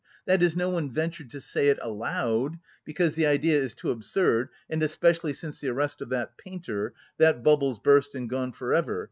That is, no one ventured to say it aloud, because the idea is too absurd and especially since the arrest of that painter, that bubble's burst and gone for ever.